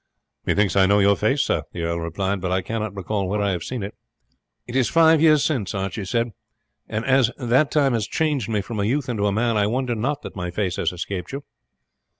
"Methinks I know your face, sir," the earl replied, "but I cannot recall where I have seen it." "It is five years since," Archie said, "and as that time has changed me from a youth into a man I wonder not that my face has escaped you."